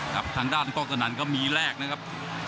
ครับทางด้านกล้องกระดันก็มีแรกนะครับ